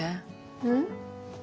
うん？